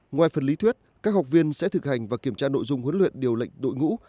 ngoài phần lý thuyết các học viên sẽ thực hành và kiểm tra nội dung huấn luyện điều lệnh đội ngũ